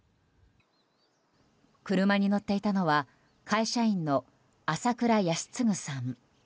車に乗っていたのは会社員の朝倉泰嗣さん。